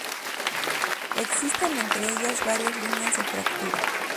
Existen entre ellas varias líneas de fractura.